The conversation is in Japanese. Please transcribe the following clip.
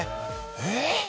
えっ？！